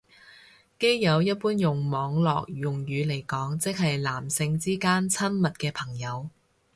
基友用一般網絡用語嚟講即係男性之間親密嘅朋友